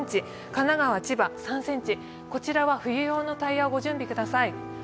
神奈川・千葉、３ｃｍこちらは冬用のタイヤをご準備ください。